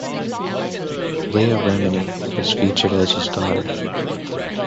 Leah Remini was featured as his daughter.